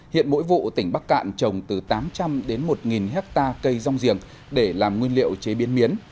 hiện mỗi vụ tỉnh bắc cạn trồng từ tám trăm linh đến một hectare cây rong giềng để làm nguyên liệu chế biến miến